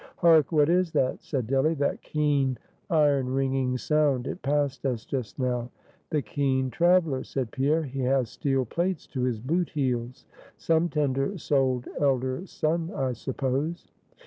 "Hark, what is that?" said Delly, "that keen iron ringing sound? It passed us just now." "The keen traveler," said Pierre, "he has steel plates to his boot heels; some tender souled elder son, I suppose."